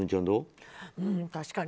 確かに。